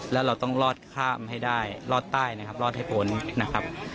แล้วเราต้องรอดข้ามให้ได้รอดใต้นะครับรอดให้พ้นนะครับ